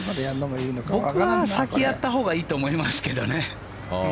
僕は先にやったほうがいいと思いますけどね。